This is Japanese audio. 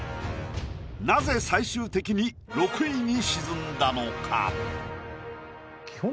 なぜ最終的に６位に沈んだのか？